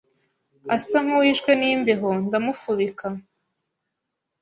asa nkuwishwe nimbeho ndamufubika